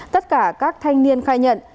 tất cả các thanh niên khai nhận